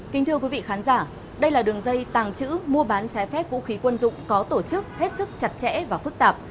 kính thưa quý vị khán giả đây là đường dây tàng trữ mua bán trái phép vũ khí quân dụng có tổ chức hết sức chặt chẽ và phức tạp